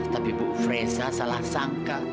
tapi bu fresa salah sangka